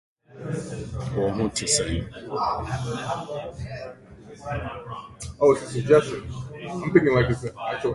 The conference language was English.